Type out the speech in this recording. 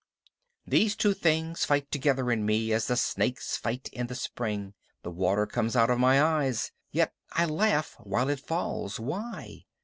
These two things fight together in me as the snakes fight in the spring. The water comes out of my eyes; yet I laugh while it falls. Why?